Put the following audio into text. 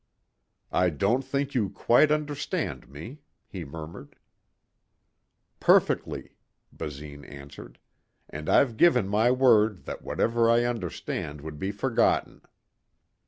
"I don't think you quite understand me," he murmured. "Perfectly," Basine answered. "And I've given my word that whatever I understood would be forgotten."